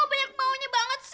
oh banyak baunya banget sih